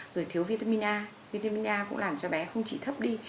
rồi thiếu vitamin a vitamin a cũng làm cho bé không chịu thấp đi